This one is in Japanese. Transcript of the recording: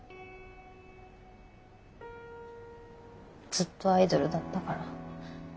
ずっとアイドルだったから。